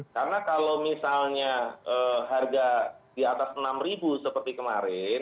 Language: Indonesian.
karena kalau misalnya harga di atas rp enam seperti kemarin